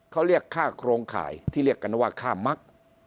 เขาเรียกค่าโครงข่ายที่เรียกกันว่าค่ามัก